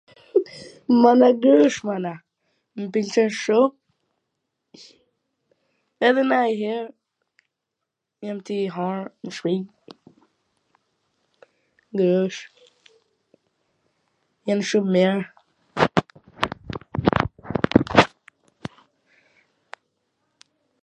mana, grosh, mana, m pwlqejn shum, edhe nanjwher jam tuj i hangwr n shpi, grosh... jan shum t mira